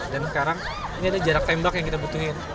dan sekarang ini ada jarak tembak yang kita butuhin